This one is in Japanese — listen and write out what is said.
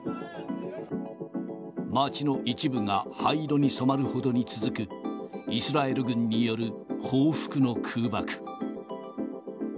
町の一部が灰色に染まるほどに続く、イスラエル軍による報復の空爆。